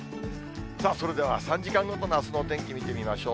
さあ、それでは３時間ごとのあすのお天気、見てみましょう。